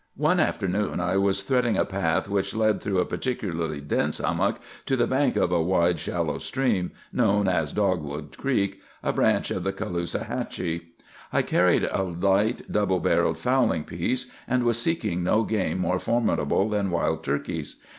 "One afternoon I was threading a path which led through a particularly dense hummock to the bank of a wide, shallow stream, known as Dogwood Creek, a branch of the Caloosahatchee. I carried a light double barrelled fowling piece, and was seeking no game more formidable than wild turkeys.